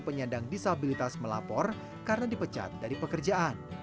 lima puluh satu penyandang disabilitas melapor karena dipecat dari pekerjaan